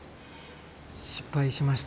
失敗しました。